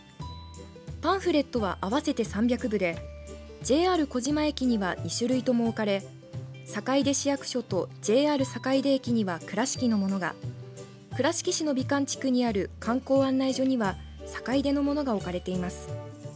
パンフレットは合わせて３００部でＪＲ児島駅には２種類とも置かれ坂出市役所とＪＲ坂出駅には倉敷のものが倉敷市の美観地区にある観光案内所には坂出のものが置かれています。